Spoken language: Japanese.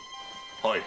はい。